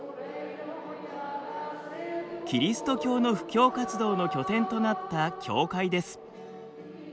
キリスト教の布教活動の拠点となった教会です。